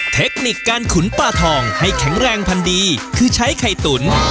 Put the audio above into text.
เทคนิคการขุนปลาทองให้แข็งแรงพันดีคือใช้ไข่ตุ๋น